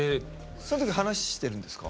その時話してるんですか？